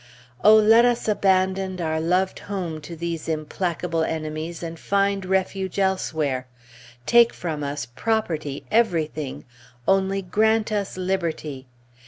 Oh, let us abandon our loved home to these implacable enemies, and find refuge elsewhere! Take from us property, everything, only grant us liberty!